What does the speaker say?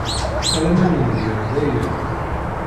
Alamma nenger dayen.